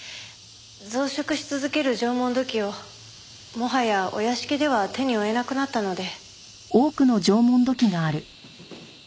増殖し続ける縄文土器をもはやお屋敷では手に負えなくなったので。